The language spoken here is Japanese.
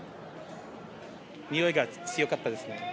においが強かったですね。